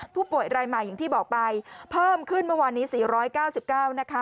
ผู้ป่วยรายใหม่อย่างที่บอกไปเพิ่มขึ้นเมื่อวานนี้๔๙๙นะคะ